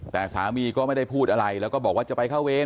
แต่สามีก็ไม่ได้พูดอะไรแล้วก็บอกว่าจะไปเข้าเวร